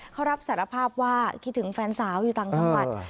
เขารับสารภาพว่าคิดถึงแฟนสาวอยู่ต่างจังหวัด